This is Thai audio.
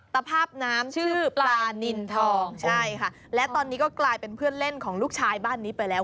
ตภาพน้ำชื่อปลานินทองใช่ค่ะและตอนนี้ก็กลายเป็นเพื่อนเล่นของลูกชายบ้านนี้ไปแล้ว